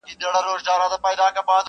ښه دی چي جواب له خپله ځانه سره یو سمه!